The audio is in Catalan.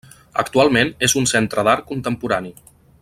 Actualment és un centre d'art contemporani.